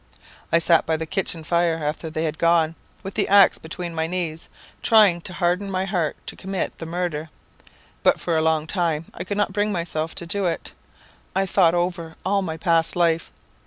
"I sat by the kitchen fire after they were gone, with the axe between my knees, trying to harden my heart to commit the murder; but for a long time I could not bring myself to do it. I thought over all my past life.